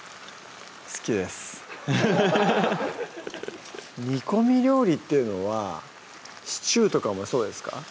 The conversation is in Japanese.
好きです煮込み料理っていうのはシチューとかもそうですか？